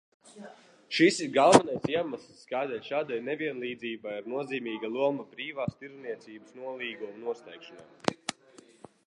Šis ir galvenais iemesls, kādēļ šādai nevienlīdzībai ir nozīmīga loma brīvās tirdzniecības nolīguma noslēgšanā.